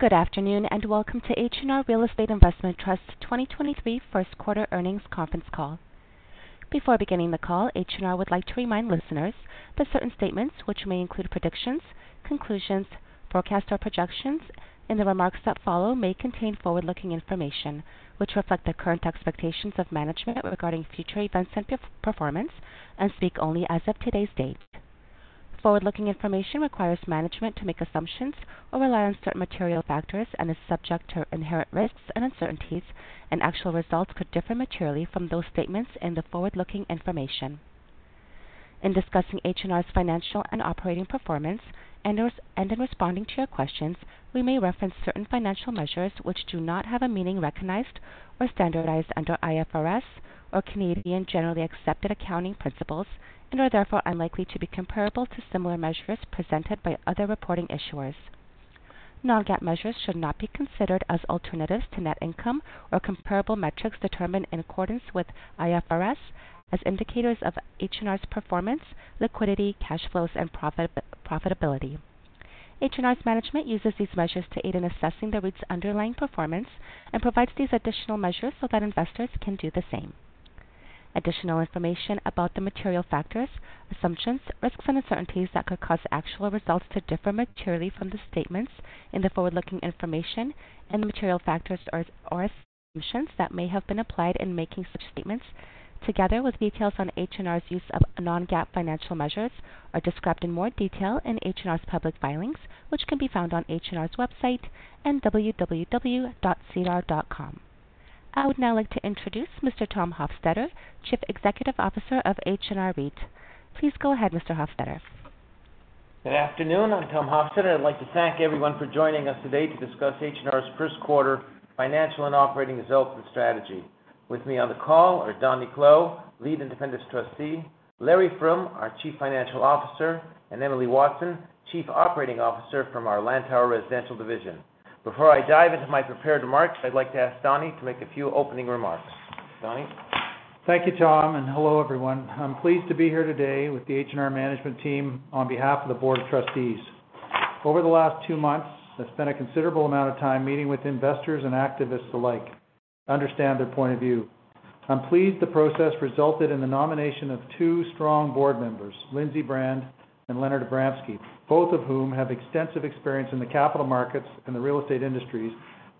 Good afternoon, welcome to H&R Real Estate Investment Trust 2023 first quarter earnings conference call. Before beginning the call, H&R would like to remind listeners that certain statements, which may include predictions, conclusions, forecasts or projections in the remarks that follow may contain forward-looking information, which reflect the current expectations of management regarding future events and per-performance and speak only as of today's date. Forward-looking information requires management to make assumptions or rely on certain material factors and is subject to inherent risks and uncertainties, actual results could differ materially from those statements in the forward-looking information. In discussing H&R's financial and operating performance and in responding to your questions, we may reference certain financial measures which do not have a meaning recognized or standardized under IFRS or Canadian generally accepted accounting principles and are therefore unlikely to be comparable to similar measures presented by other reporting issuers. Non-GAAP measures should not be considered as alternatives to net income or comparable metrics determined in accordance with IFRS as indicators of H&R's performance, liquidity, cash flows, and profitability. H&R's management uses these measures to aid in assessing the REIT's underlying performance and provides these additional measures so that investors can do the same. Additional information about the material factors, assumptions, risks and uncertainties that could cause actual results to differ materially from the statements in the forward-looking information and the material factors or assumptions that may have been applied in making such statements, together with details on H&R's use of non-GAAP financial measures, are described in more detail in H&R's public filings, which can be found on H&R's website and www.SEDAR. I would now like to introduce Mr. Thomas Hofstedter, Chief Executive Officer of H&R REIT. Please go ahead, Mr. Hofstedter. Good afternoon. I'm Thomas Hofstedter. I'd like to thank everyone for joining us today to discuss H&R's first quarter financial and operating results and strategy. With me on the call are Donald Clow, Lead Independent Trustee, Larry Froom, our Chief Financial Officer, and Emily Watson, Chief Operating Officer from our Lantower Residential Division. Before I dive into my prepared remarks, I'd like to ask Donny to make a few opening remarks. Donny. Thank you, Thomas, and hello, everyone. I'm pleased to be here today with the H&R management team on behalf of the board of trustees. Over the last two months, I've spent a considerable amount of time meeting with investors and activists alike to understand their point of view. I'm pleased the process resulted in the nomination of two strong board members, Lindsay Brand and Leonard Abramsky, both of whom have extensive experience in the capital markets and the real estate industries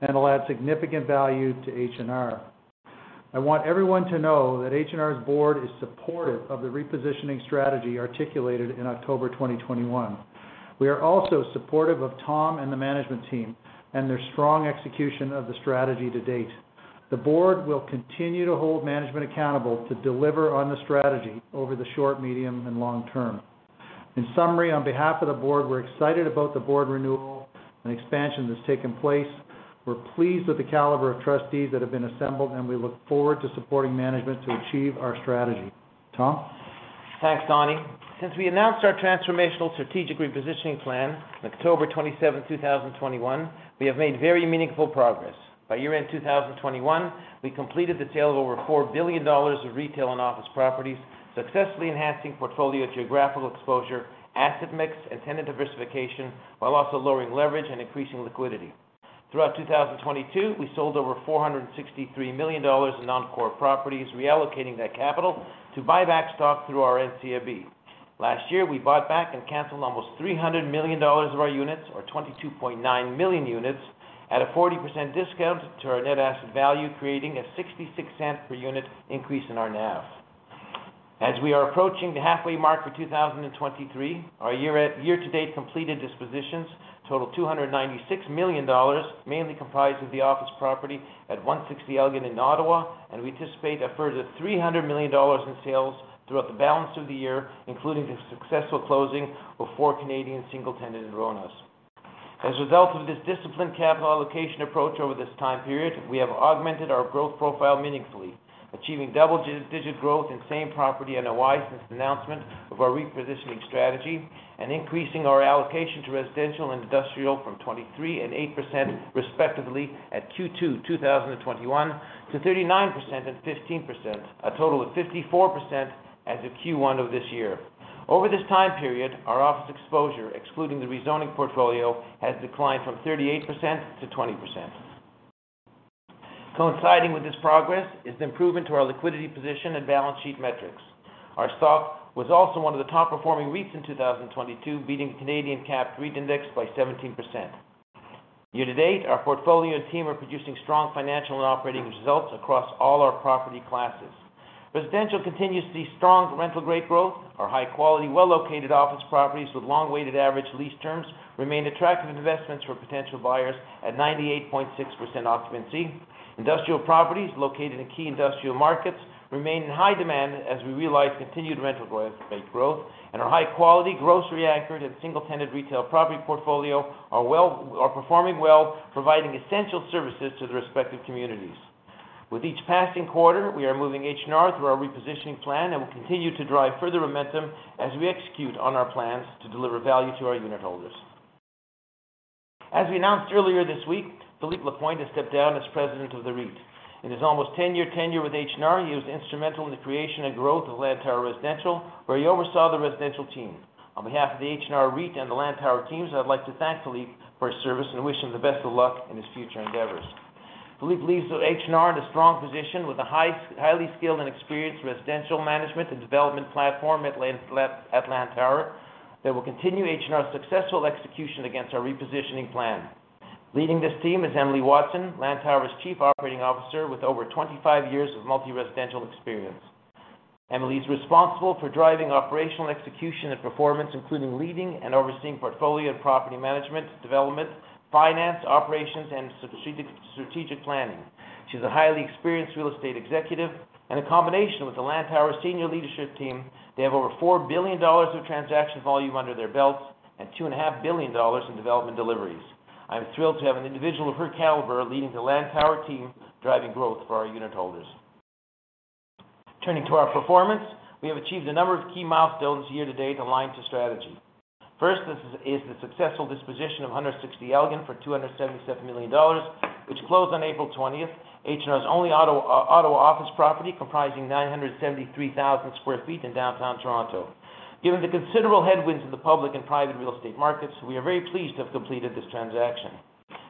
and will add significant value to H&R. I want everyone to know that H&R's board is supportive of the repositioning strategy articulated in October 2021. We are also supportive of Thomas and the management team and their strong execution of the strategy to date. The board will continue to hold management accountable to deliver on the strategy over the short, medium, and long term. In summary, on behalf of the board, we're excited about the board renewal and expansion that's taken place. We're pleased with the caliber of trustees that have been assembled. We look forward to supporting management to achieve our strategy. Thomas. Thanks, Donny. Since we announced our transformational strategic repositioning plan on October 27, 2021, we have made very meaningful progress. By year-end 2021, we completed the sale of over 4 billion dollars of retail and office properties, successfully enhancing portfolio geographical exposure, asset mix, and tenant diversification, while also lowering leverage and increasing liquidity. Throughout 2022, we sold over 463 million dollars in non-core properties, reallocating that capital to buy back stock through our NCIB. Last year, we bought back and canceled almost 300 million dollars of our units or 22.9 million units at a 40% discount to our net asset value, creating a 0.66 per unit increase in our NAV. As we are approaching the halfway mark for 2023, our year-to-date completed dispositions total 296 million dollars, mainly comprised of the office property at 160 Elgin in Ottawa. We anticipate a further 300 million dollars in sales throughout the balance of the year, including the successful closing of four Canadian single-tenant RONA. As a result of this disciplined capital allocation approach over this time period, we have augmented our growth profile meaningfully. Achieving double-digit growth in same property NOI since the announcement of our repositioning strategy and increasing our allocation to residential and industrial from 23% and 8% respectively at Q2 2021 to 39% and 15%, a total of 54% as of Q1 of this year. Over this time period, our office exposure, excluding the rezoning portfolio, has declined from 38% to 20%. Coinciding with this progress is the improvement to our liquidity position and balance sheet metrics. Our stock was also one of the top-performing REITs in 2022, beating the Canadian Capped REIT Index by 17%. Year-to-date, our portfolio and team are producing strong financial and operating results across all our property classes. Residential continues to see strong rental rate growth. Our high-quality, well-located office properties with long weighted average lease terms remain attractive investments for potential buyers at 98.6% occupancy. Industrial properties located in key industrial markets remain in high demand as we realize continued rental rate growth, and our high-quality grocery-anchored and single-tenant retail property portfolio are performing well, providing essential services to their respective communities. With each passing quarter, we are moving H&R through our repositioning plan and will continue to drive further momentum as we execute on our plans to deliver value to our unitholders. As we announced earlier this week, Philippe Lafontaine has stepped down as president of the REIT. In his almost 10-year tenure with H&R, he was instrumental in the creation and growth of Lantower Residential, where he oversaw the residential team. On behalf of the H&R REIT and the Lantower teams, I'd like to thank Philippe for his service and wish him the best of luck in his future endeavors. Philippe leaves H&R in a strong position with a highly skilled and experienced residential management and development platform at Lantower that will continue H&R's successful execution against our repositioning plan. Leading this team is Emily Watson, Lantower's Chief Operating Officer, with over 25 years of multi-residential experience. Emily is responsible for driving operational execution and performance, including leading and overseeing portfolio and property management, development, finance, operations, and strategic planning. She's a highly experienced real estate executive. In combination with the Lantower senior leadership team, they have over 4 billion dollars of transaction volume under their belts and 2.5 billion dollars in development deliveries. I'm thrilled to have an individual of her caliber leading the Lantower team, driving growth for our unitholders. Turning to our performance, we have achieved a number of key milestones year-to-date aligned to strategy. First is the successful disposition of 160 Elgin for 277 million dollars, which closed on April 20. H&R's only Ottawa office property comprising 973,000 sq ft in downtown Toronto. Given the considerable headwinds of the public and private real estate markets, we are very pleased to have completed this transaction.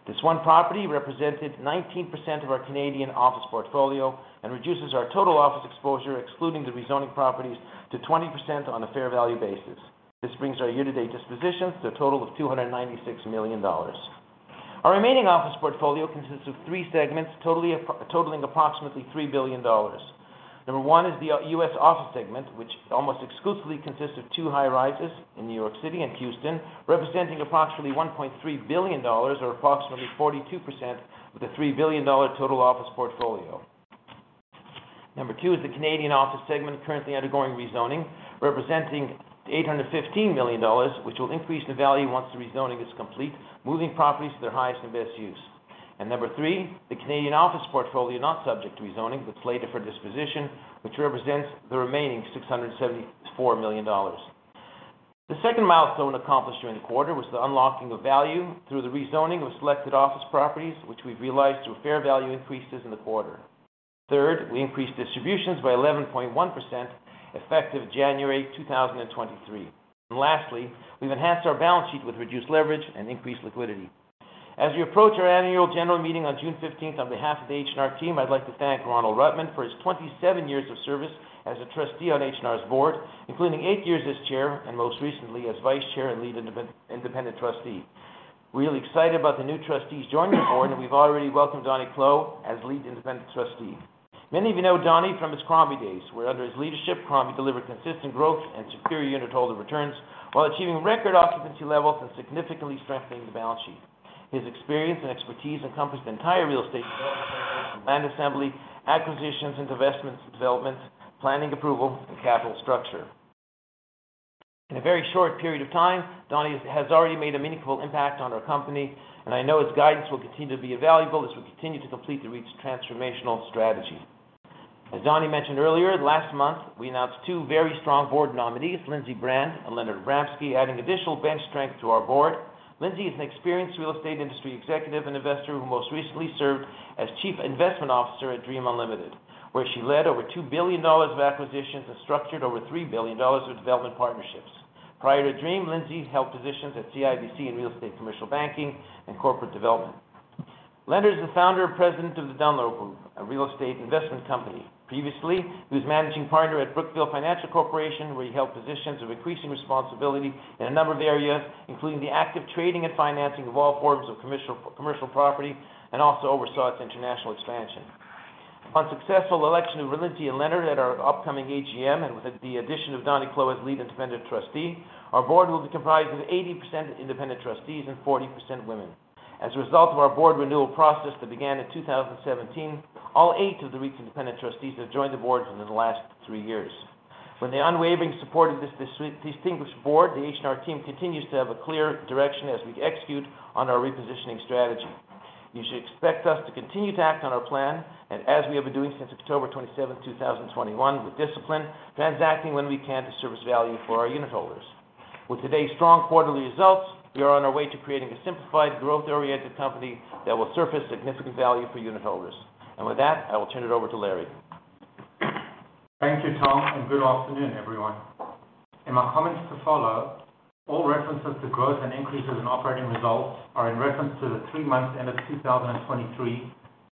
This one property represented 19% of our Canadian office portfolio and reduces our total office exposure, excluding the rezoning properties, to 20% on a fair value basis. This brings our year-to-date dispositions to a total of $296 million. Our remaining office portfolio consists of three segments totaling approximately $3 billion. Number one is the U.S. office segment, which almost exclusively consists of two high-rises in New York City and Houston, representing approximately $1.3 billion, or approximately 42% of the $3 billion total office portfolio. Number two is the Canadian office segment currently undergoing rezoning, representing 815 million dollars, which will increase in value once the rezoning is complete, moving properties to their highest and best use. Number three, the Canadian office portfolio not subject to rezoning but slated for disposition, which represents the remaining 674 million dollars. The second milestone accomplished during the quarter was the unlocking of value through the rezoning of selected office properties, which we've realized through fair value increases in the quarter. Third, we increased distributions by 11.1%, effective January 2023. Lastly, we've enhanced our balance sheet with reduced leverage and increased liquidity. As we approach our annual general meeting on June 15th, on behalf of the H&R team, I'd like to thank Ronald Rutman for his 27 years of service as a trustee on H&R's board, including eight years as chair, and most recently as vice chair and Lead Independent Trustee. We are excited about the new trustees joining the board, and we've already welcomed Donald Clow as Lead Independent Trustee. Many of you know Donny from his Crombie days, where under his leadership, Crombie delivered consistent growth and superior unitholder returns while achieving record occupancy levels and significantly strengthening the balance sheet. His experience and expertise encompass the entire real estate development process from land assembly, acquisitions, investments, development, planning approval, and capital structure. In a very short period of time, Donny has already made a meaningful impact on our company. I know his guidance will continue to be invaluable as we continue to complete the H&R REIT's transformational strategy. As Donny mentioned earlier, last month, we announced two very strong board nominees, Lindsay Brand and Leonard Abramsky, adding additional bench strength to our board. Lindsay is an experienced real estate industry executive and investor who most recently served as Chief Investment Officer at Dream Unlimited, where she led over $2 billion of acquisitions and structured over $3 billion of development partnerships. Prior to Dream, Lindsay held positions at CIBC in real estate commercial banking and corporate development. Leonard is the founder and president of The Dunloe Group, a real estate investment company. Previously, he was Managing Partner at Brookfield Financial Corp., where he held positions of increasing responsibility in a number of areas, including the active trading and financing of all forms of commercial property and also oversaw its international expansion. On successful election of Lindsay and Leonard at our upcoming AGM, with the addition of Donald Clow as Lead Independent Trustee, our board will be comprised of 80% independent trustees and 40% women. As a result of our board renewal process that began in 2017, all eight of the REIT's independent trustees have joined the board within the last three years. With the unwavering support of this distinguished board, the H&R team continues to have a clear direction as we execute on our repositioning strategy. You should expect us to continue to act on our plan as we have been doing since October 27, 2021, with discipline, transacting when we can to service value for our unitholders. With today's strong quarterly results, we are on our way to creating a simplified, growth-oriented company that will surface significant value for unitholders. With that, I will turn it over to Larry. Thank you, Thomas. Good afternoon, everyone. In my comments to follow, all references to growth and increases in operating results are in reference to the three months end of 2023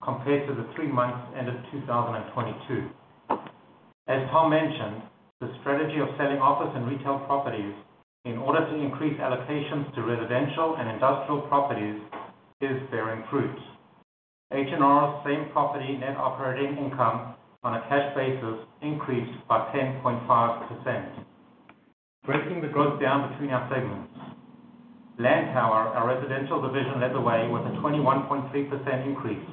compared to the three months end of 2022. As Thomas mentioned, the strategy of selling office and retail properties in order to increase allocations to residential and industrial properties is bearing fruit. H&R's same property net operating income on a cash basis increased by 10.5%. Breaking the growth down between our segments. Lantower, our residential division, led the way with a 21.3% increase,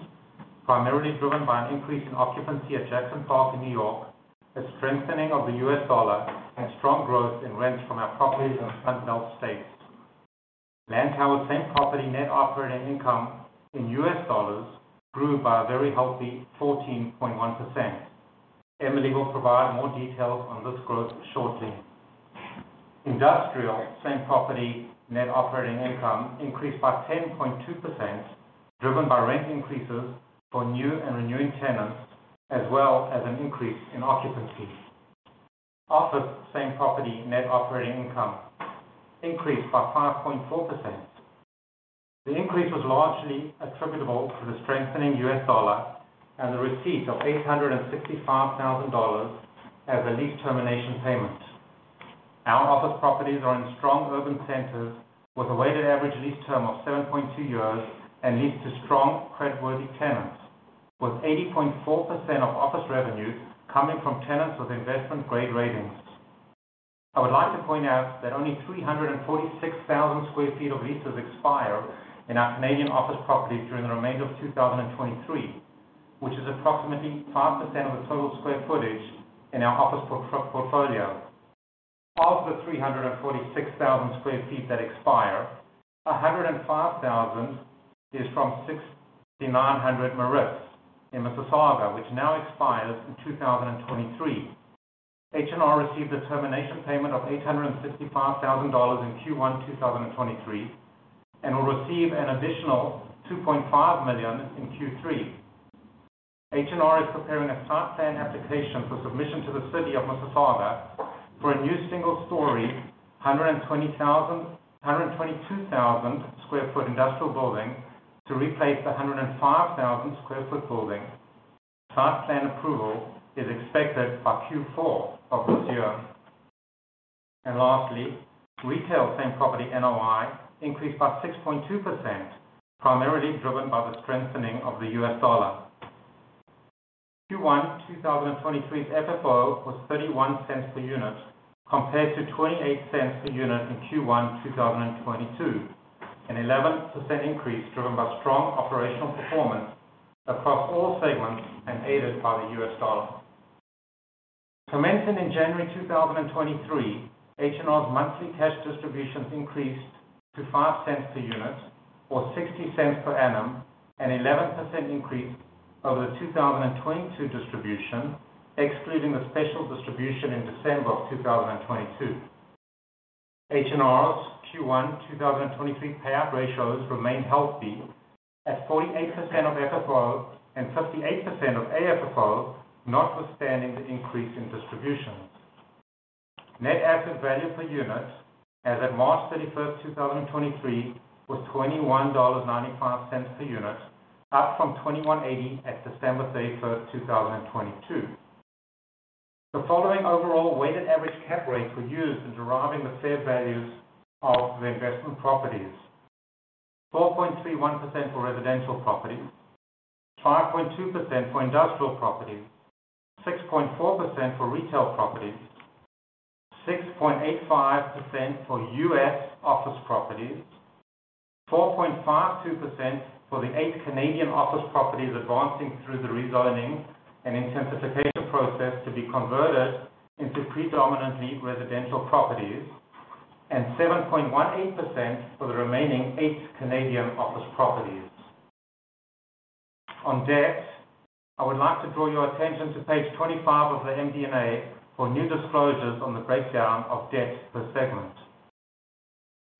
primarily driven by an increase in occupancy at Jackson Park in New York, a strengthening of the U.S. dollar, and strong growth in rents from our properties in the Sunbelt states. Lantower same property net operating income in US dollars grew by a very healthy 14.1%. Emily will provide more details on this growth shortly. Industrial same-property net operating income increased by 10.2%, driven by rent increases for new and renewing tenants, as well as an increase in occupancy. Office same-property net operating income increased by 5.4%. The increase was largely attributable to the strengthening US dollar and the receipt of $865,000 as a lease termination payment. Our office properties are in strong urban centers with a weighted average lease term of 7.2 years and leads to strong creditworthy tenants, with 80.4% of office revenues coming from tenants with investment-grade ratings. I would like to point out that only 346,000 sq ft of leases expire in our Canadian office property during the remainder of 2023, which is approximately 5% of the total square footage in our office portfolio. Of the 346,000 sq ft that expire, 105,000 is from 6900 Matheson in Mississauga, which now expires in 2023. H&R received a termination payment of 865,000 dollars in Q1 2023, and will receive an additional 2.5 million in Q3. H&R is preparing a site plan application for submission to the city of Mississauga for a new single-story, 122,000 sq ft industrial building to replace a 105,000 sq ft building. Site plan approval is expected by Q4 of this year. Lastly, retail same property NOI increased by 6.2%, primarily driven by the strengthening of the US dollar. Q1 2023's FFO was 0.31 per unit, compared to 0.28 per unit in Q1 2022, an 11% increase driven by strong operational performance across all segments and aided by the US dollar. Commencing in January 2023, H&R's monthly cash distributions increased to 0.05 per unit or 0.60 per annum, an 11% increase over the 2022 distribution, excluding the special distribution in December 2022. H&R's Q1 2023 payout ratios remain healthy at 48% of FFO and 58% of AFFO, notwithstanding the increase in distributions. Net asset value per unit as at March 31, 2023, was CAD $21.95 per unit, up from CAD $21.80 at December 31, 2022. The following overall weighted average cap rates were used in deriving the fair values of the investment properties. 4.31% for residential properties, 5.2% for industrial properties, 6.4% for retail properties, 6.85% for U.S. office properties, 4.52% for the eight Canadian office properties advancing through the rezoning and intensification process to be converted into predominantly residential properties, and 7.18% for the remaining eight Canadian office properties. On debt, I would like to draw your attention to page 25 of the MD&A for new disclosures on the breakdown of debt per segment.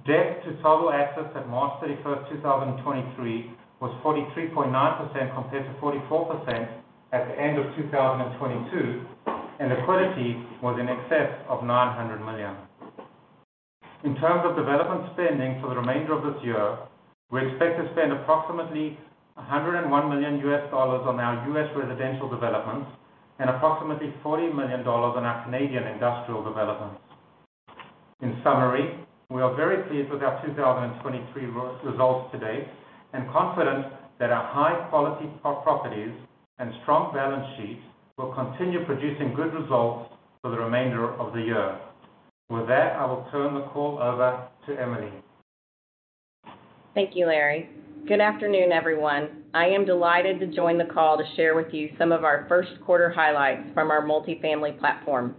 Debt to total assets at March 31st, 2023 was 43.9% compared to 44% at the end of 2022, and liquidity was in excess of $900 million. In terms of development spending for the remainder of this year, we expect to spend approximately $101 million US dollars on our US residential developments and approximately 40 million dollars on our Canadian industrial developments. In summary, we are very pleased with our 2023 results to date and confident that our high-quality properties and strong balance sheet will continue producing good results for the remainder of the year. With that, I will turn the call over to Emily. Thank you, Larry. Good afternoon, everyone. I am delighted to join the call to share with you some of our first quarter highlights from our multifamily platform.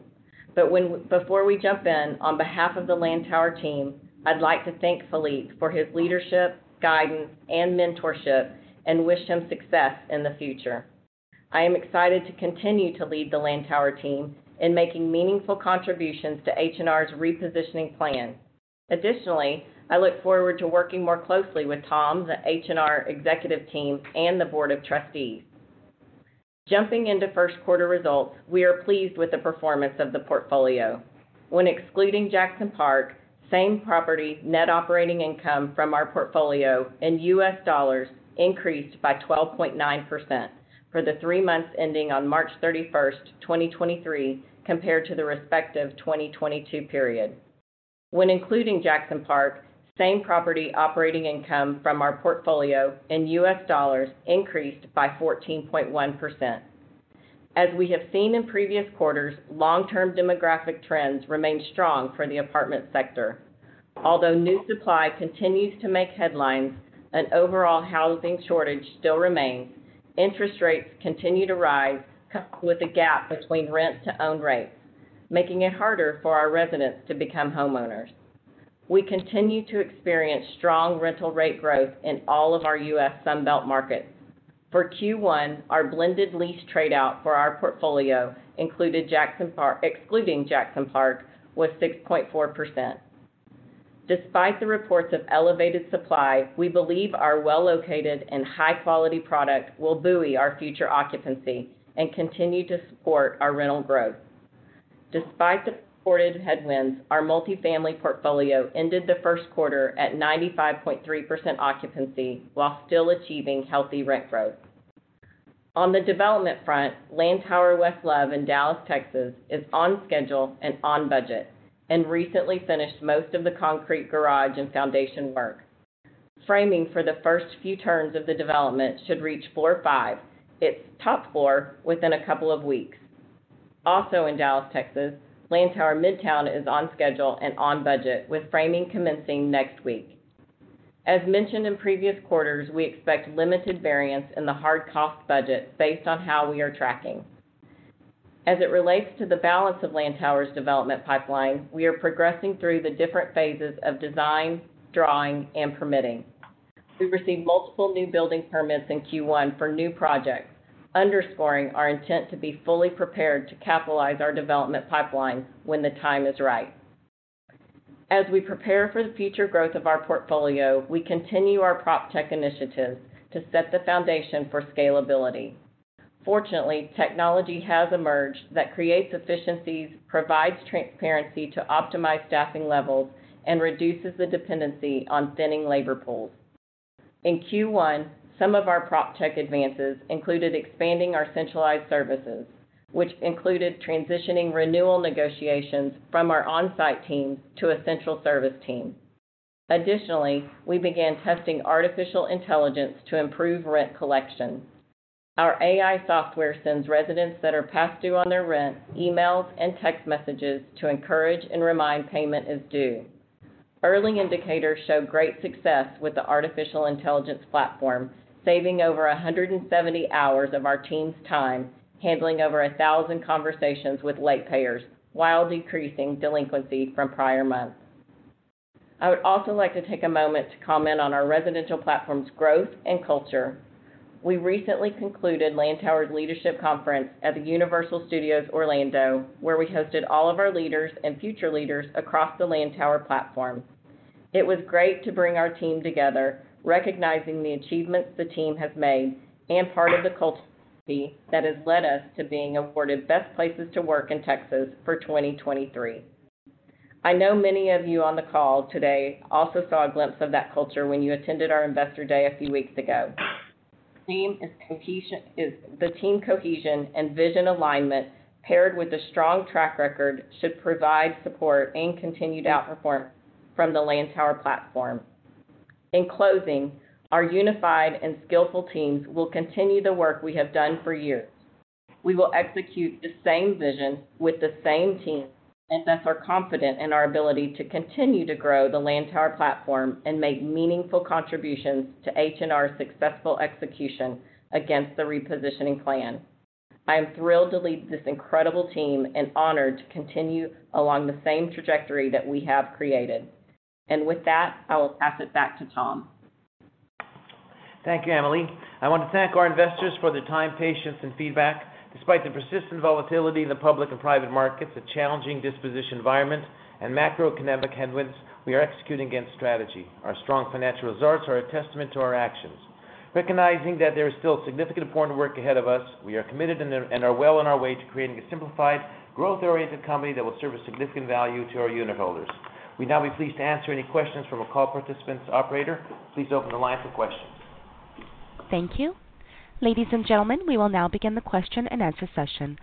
Before we jump in, on behalf of the Lantower team, I'd like to thank Philippe for his leadership, guidance, and mentorship, and wish him success in the future. I am excited to continue to lead the Lantower team in making meaningful contributions to H&R's repositioning plan. Additionally, I look forward to working more closely with Thomas, the H&R executive team, and the board of trustees. Jumping into first quarter results, we are pleased with the performance of the portfolio. When excluding Jackson Park, same property net operating income from our portfolio in US dollars increased by 12.9% for the 3 months ending on March 31, 2023, compared to the respective 2022 period. When including Jackson Park, same property operating income from our portfolio in U.S. dollars increased by 14.1%. As we have seen in previous quarters, long-term demographic trends remain strong for the apartment sector. Although new supply continues to make headlines, an overall housing shortage still remains. Interest rates continue to rise, coupled with a gap between rent to own rates, making it harder for our residents to become homeowners. We continue to experience strong rental rate growth in all of our U.S. Sun Belt markets. For Q1, our blended lease trade-out for our portfolio excluding Jackson Park, was 6.4%. Despite the reports of elevated supply, we believe our well-located and high-quality product will buoy our future occupancy and continue to support our rental growth. Despite the reported headwinds, our multifamily portfolio ended the first quarter at 95.3% occupancy while still achieving healthy rent growth. On the development front, Lantower West Love in Dallas, Texas, is on schedule and on budget, and recently finished most of the concrete garage and foundation work. Framing for the first few turns of the development should reach floor five, its top floor, within a couple of weeks. Also in Dallas, Texas, Lantower Midtown is on schedule and on budget, with framing commencing next week. As mentioned in previous quarters, we expect limited variance in the hard cost budget based on how we are tracking. As it relates to the balance of Lantower's development pipeline, we are progressing through the different phases of design, drawing, and permitting. We received multiple new building permits in Q1 for new projects, underscoring our intent to be fully prepared to capitalize our development pipeline when the time is right. As we prepare for the future growth of our portfolio, we continue our PropTech initiatives to set the foundation for scalability. Fortunately, technology has emerged that creates efficiencies, provides transparency to optimize staffing levels, and reduces the dependency on thinning labor pools. In Q1, some of our PropTech advances included expanding our centralized services, which included transitioning renewal negotiations from our on-site teams to a central service team. Additionally, we began testing artificial intelligence to improve rent collection. Our AI software sends residents that are past due on their rent, emails and text messages to encourage and remind payment is due. Early indicators show great success with the artificial intelligence platform, saving over 170 hours of our team's time handling over 1,000 conversations with late payers while decreasing delinquency from prior months. I would also like to take a moment to comment on our residential platform's growth and culture. We recently concluded Lantower's leadership conference at the Universal Studios Orlando, where we hosted all of our leaders and future leaders across the Lantower platform. It was great to bring our team together, recognizing the achievements the team has made, and part of the culture that has led us to being awarded Best Places to Work in Texas for 2023. I know many of you on the call today also saw a glimpse of that culture when you attended our Investor Day a few weeks ago. The team cohesion and vision alignment, paired with a strong track record, should provide support and continued outperformance from the Lantower platform. In closing, our unified and skillful teams will continue the work we have done for years. We will execute the same vision with the same team, thus are confident in our ability to continue to grow the Lantower platform and make meaningful contributions to H&R's successful execution against the repositioning plan. I am thrilled to lead this incredible team and honored to continue along the same trajectory that we have created. With that, I will pass it back to Thomas. Thank you, Emily. I want to thank our investors for their time, patience, and feedback. Despite the persistent volatility in the public and private markets, the challenging disposition environment, and macroeconomic headwinds, we are executing against strategy. Our strong financial results are a testament to our actions. Recognizing that there is still a significant important work ahead of us, we are committed and are well on our way to creating a simplified, growth-oriented company that will serve a significant value to our unitholders. We'd now be pleased to answer any questions from our call participants, operator. Please open the line for questions. Thank you. Ladies and gentlemen, we will now begin the question-and-answer session.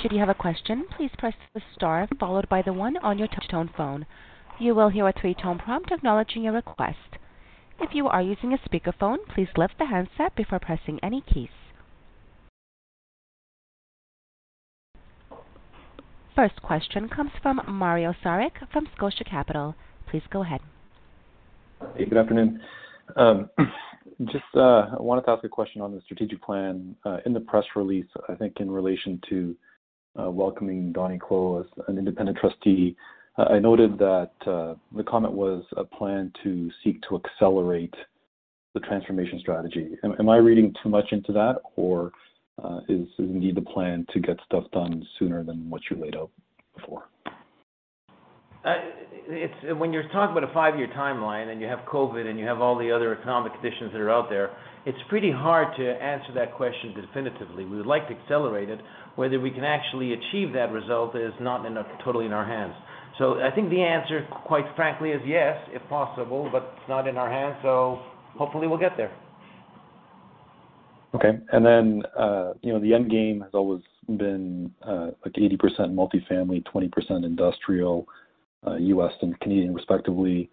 Should you have a question, please press the star followed by the one on your touch-tone phone. You will hear a three-tone prompt acknowledging your request. If you are using a speakerphone, please lift the handset before pressing any keys. First question comes from Mario Saric from Scotia Capital. Please go ahead. Good afternoon. Just, I wanted to ask a question on the strategic plan, in the press release, I think in relation to welcoming Donald Clow as an independent trustee. I noted that the comment was a plan to seek to accelerate the transformation strategy. Am I reading too much into that or is indeed the plan to get stuff done sooner than what you laid out before? When you're talking about a five-year timeline, and you have COVID, and you have all the other economic conditions that are out there, it's pretty hard to answer that question definitively. We would like to accelerate it. Whether we can actually achieve that result is totally in our hands. I think the answer, quite frankly, is yes, if possible, but it's not in our hands, so hopefully we'll get there. Okay. You know, the end game has always been, like 80% multifamily, 20% industrial, US and Canadian, respectively.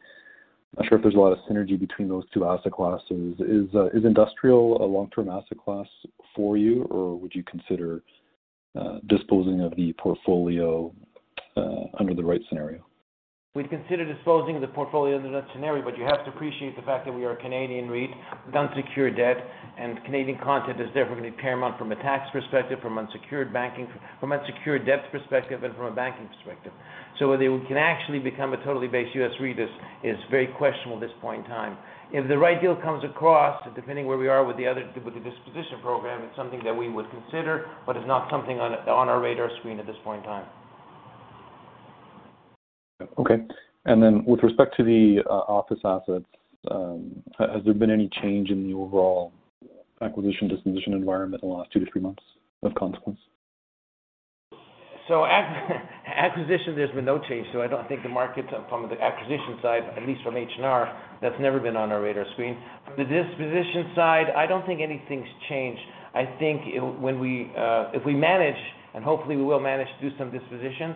Not sure if there's a lot of synergy between those two asset classes. Is industrial a long-term asset class for you, or would you consider, disposing of the portfolio, under the right scenario? We'd consider disposing of the portfolio under that scenario, but you have to appreciate the fact that we are a Canadian REIT with unsecured debt, and Canadian content is therefore going to be paramount from a tax perspective, from an secured debt perspective, and from a banking perspective. Whether we can actually become a totally based U.S. REIT is very questionable at this point in time. If the right deal comes across, depending where we are with the disposition program, it's something that we would consider, but it's not something on our radar screen at this point in time. Okay. Then with respect to the office assets, has there been any change in the overall acquisition disposition environment in the last two to three months of consequence? Acquisition, there's been no change, so I don't think the market from the acquisition side, at least from H&R, that's never been on our radar screen. From the disposition side, I don't think anything's changed. I think when we, if we manage, and hopefully we will manage to do some dispositions,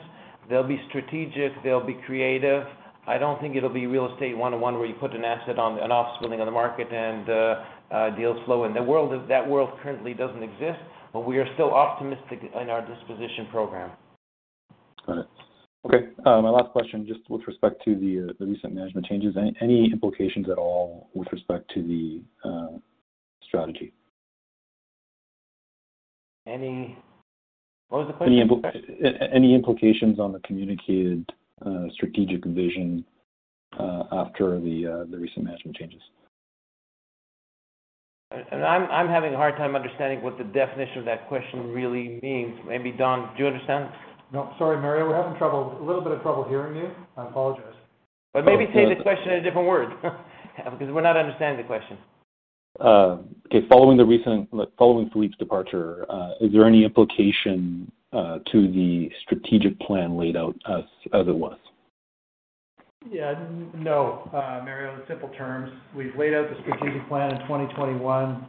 they'll be strategic, they'll be creative. I don't think it'll be real estate one-on-one, where you put an asset on an spinning off on the market and deals flow. That world currently doesn't exist, but we are still optimistic in our disposition program. Got it. Okay, my last question, just with respect to the recent management changes. Any implications at all with respect to the strategy? What was the question? Any implications on the communicated strategic vision after the recent management changes? I'm having a hard time understanding what the definition of that question really means. Maybe Don, do you understand? No. Sorry, Mario. We're having trouble, a little bit of trouble hearing you. I apologize. Maybe say the question in a different word, because we're not understanding the question. Okay. Following Philippe's departure, is there any implication to the strategic plan laid out as it was? Yeah. No, Mario, in simple terms, we've laid out the strategic plan in 2021.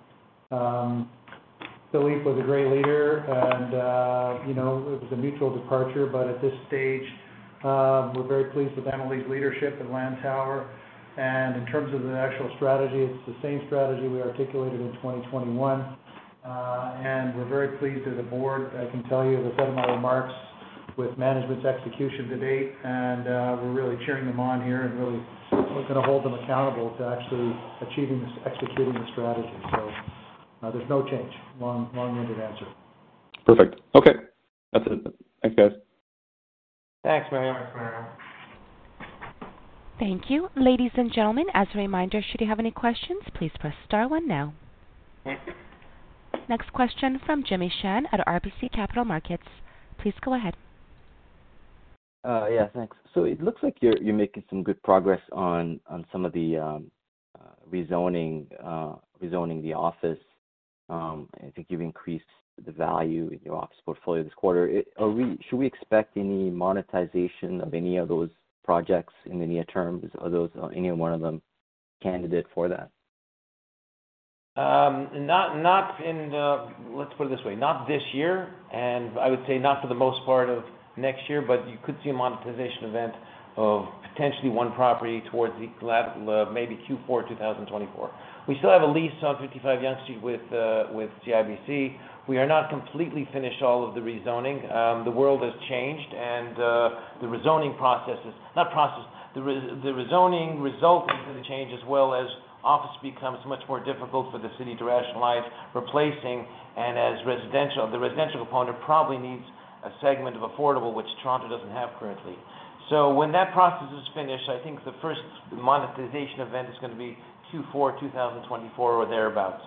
Philippe was a great leader and, you know, it was a mutual departure. At this stage, we're very pleased with Emily's leadership at Lantower. In terms of the national strategy, it's the same strategy we articulated in 2021. And we're very pleased as a board, I can tell you, I said in my remarks with management's execution to date, and we're really cheering them on here and really we're gonna hold them accountable to actually achieving this, executing the strategy. There's no change. Long, long-winded answer. Perfect. Okay. That's it. Thanks, guys. Thanks, Mario. Thanks, Mario. Thank you. Ladies and gentlemen, as a reminder, should you have any questions, please press star one now. Okay. Next question from Jimmy Shan at RBC Capital Markets. Please go ahead. Yeah, thanks. It looks like you're making some good progress on some of the rezoning the office. I think you've increased the value in your office portfolio this quarter. Should we expect any monetization of any of those projects in the near term? Are those, any one of them candidate for that? Let's put it this way, not this year, and I would say not for the most part of next year, but you could see a monetization event of potentially one property towards maybe Q4 2024. We still have a lease on 55 Yonge Street with CIBC. We are not completely finished all of the rezoning. The world has changed and the rezoning process is, the rezoning resulting from the change as well as office becomes much more difficult for the city to rationalize replacing and as residential. The residential component probably needs a segment of affordable, which Toronto doesn't have currently. When that process is finished, I think the first monetization event is gonna be Q4 2024 or thereabout.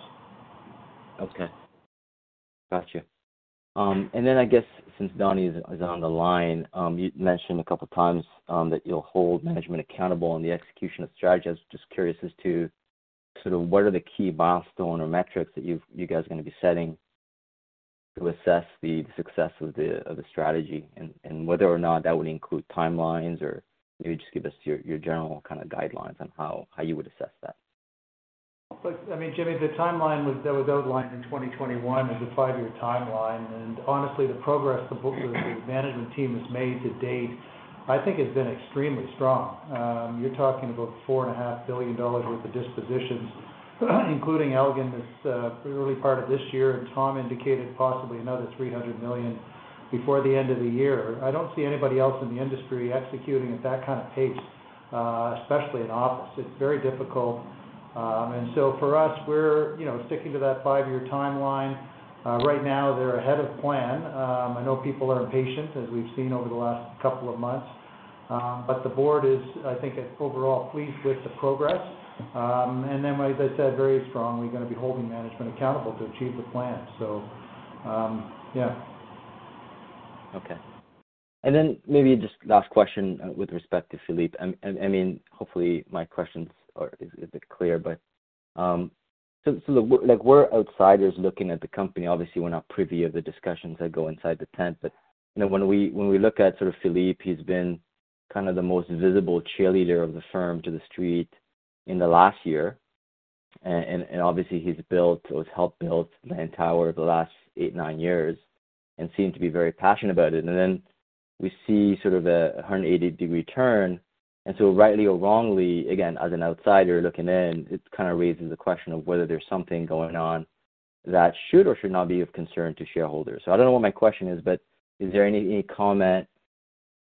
Gotcha. I guess since Don is on the line, you mentioned a couple of times, that you'll hold management accountable on the execution of strategy. I was just curious as to sort of what are the key milestone or metrics that you guys are gonna be setting to assess the success of the strategy and whether or not that would include timelines or maybe just give us your general kind of guidelines on how you would assess that? Look, I mean, Jimmy, the timeline was outlined in 2021 as a five-year timeline. Honestly, the progress the management team has made to date, I think has been extremely strong. You're talking about 4.5 billion dollars of dispositions, including Elgin that's really part of this year. Thomas indicated possibly another 300 million before the end of the year. I don't see anybody else in the industry executing at that kind of pace, especially in office. It's very difficult. For us, we're, you know, sticking to that five-year timeline. Right now, they're ahead of plan. I know people are impatient, as we've seen over the last couple of months. The board is, I think, overall pleased with the progress. As I said, very strong, we're gonna be holding management accountable to achieve the plan. Yeah. Okay. Maybe just last question with respect to Philippe. I mean, hopefully my questions are clear, so like we're outsiders looking at the company, obviously we're not privy of the discussions that go inside the tent. You know, when we look at sort of Philippe, he's been kind of the most visible cheerleader of the firm to the street in the last year. Obviously he's built or helped build Lantower over the last eight, nine years and seemed to be very passionate about it. We see sort of a 180 degree turn. Rightly or wrongly, again, as an outsider looking in, it kind of raises the question of whether there's something going on. That should or should not be of concern to shareholders. I don't know what my question is, but is there any comment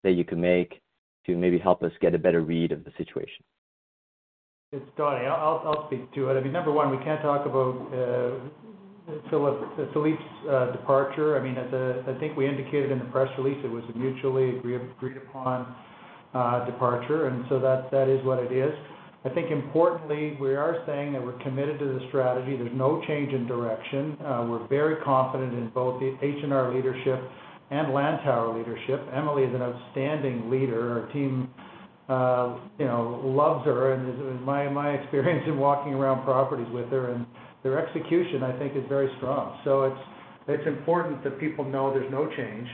that you can make to maybe help us get a better read of the situation? It's Donny. I'll speak to it. I mean, number one, we can't talk about Philippe's departure. I mean, I think we indicated in the press release it was a mutually agreed upon departure, that is what it is. I think importantly, we are saying that we're committed to the strategy. There's no change in direction. We're very confident in both the H&R leadership and Lantower leadership. Emily is an outstanding leader. Her team, you know, loves her. In my experience in walking around properties with her and their execution, I think is very strong. It's important that people know there's no change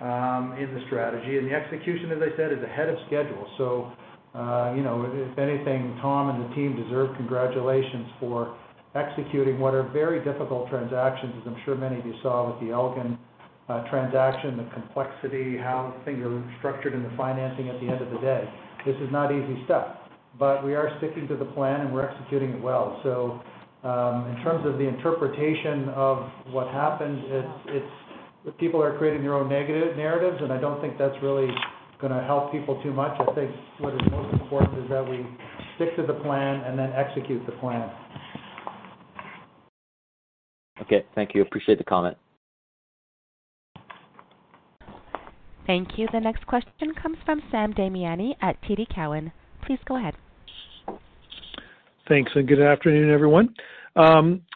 in the strategy. The execution, as I said, is ahead of schedule. You know, if anything, Thomas and the team deserve congratulations for executing what are very difficult transactions, as I'm sure many of you saw with the Elgin transaction, the complexity, how things are structured in the financing at the end of the day. This is not easy stuff, but we are sticking to the plan, and we're executing it well. In terms of the interpretation of what happened, it's people are creating their own negative narratives, and I don't think that's really gonna help people too much. I think what is most important is that we stick to the plan and then execute the plan. Okay, thank you. Appreciate the comment. Thank you. The next question comes from Sam Damiani at TD Cowen. Please go ahead. Thanks. Good afternoon, everyone.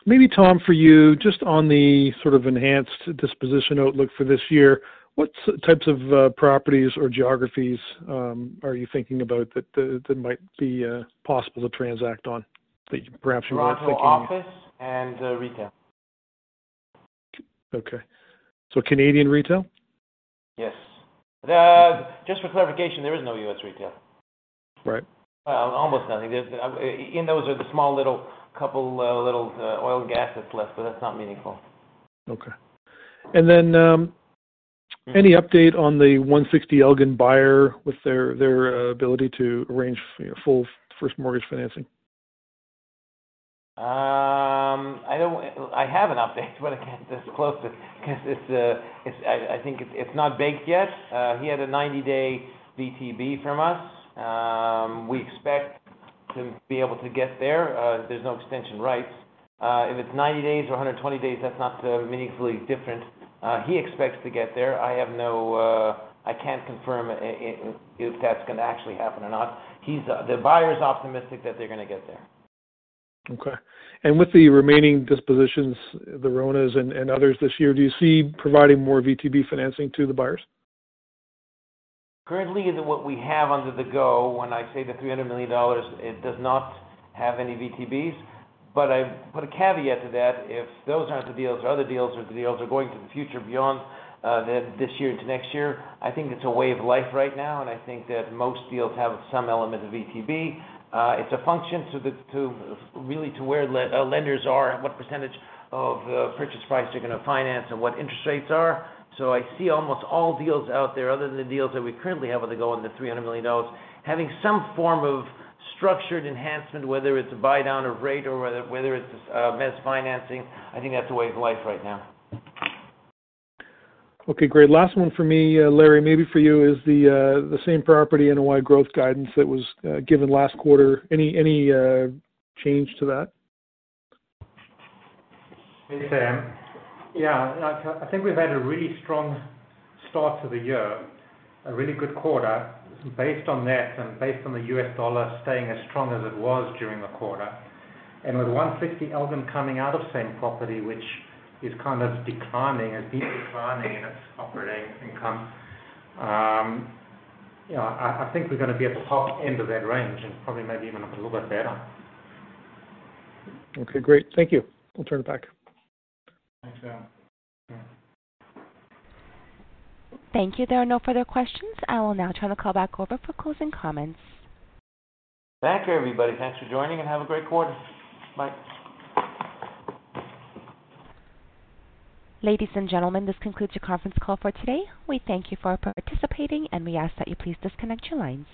Maybe Thomas, for you, just on the sort of enhanced disposition outlook for this year, what types of, properties or geographies, are you thinking about that might be, possible to transact on that perhaps you weren't thinking of? Toronto office and retail. Okay. Canadian retail? Yes. Just for clarification, there is no U.S. retail. Right. Almost nothing. In those are the small little couple of little oil and gas that's left. That's not meaningful. Okay. Any update on the 160 Elgin buyer with their ability to arrange full first mortgage financing? I have an update, but I can't disclose it 'cause I think it's not baked yet. He had a 90-day VTB from us. We expect to be able to get there. There's no extension rights. If it's 90 days or 120 days, that's not meaningfully different. He expects to get there. I can't confirm if that's gonna actually happen or not. The buyer's optimistic that they're gonna get there. Okay. With the remaining dispositions, the RONA and others this year, do you see providing more VTB financing to the buyers? Currently, what we have under the go, when I say the $300 million, it does not have any VTBs. I put a caveat to that. If those aren't the deals or other deals or the deals are going to the future beyond this year into next year, I think it's a way of life right now, and I think that most deals have some element of VTB. It's a function to the, really to where lenders are and what % of purchase price they're gonna finance and what interest rates are. I see almost all deals out there other than the deals that we currently have on the go on the $300 million, having some form of structured enhancement, whether it's a buy down or rate or whether it's, mezz financing. I think that's a way of life right now. Okay, great. Last one for me, Larry, maybe for you is the same property NOI growth guidance that was given last quarter. Any change to that? Hey, Sam. Yeah, I think we've had a really strong start to the year, a really good quarter based on that and based on the US dollar staying as strong as it was during the quarter. With 160 Elgin coming out of same property, which is kind of declining and been declining in its operating income, you know, I think we're gonna be at the top end of that range and probably maybe even a little bit better. Okay, great. Thank you. We'll turn it back. Thanks, Sam. Thank you. There are no further questions. I will now turn the call back over for closing comments. Thank you, everybody. Thanks for joining, and have a great quarter. Bye. Ladies and gentlemen, this concludes your conference call for today. We thank you for participating, and we ask that you please disconnect your lines.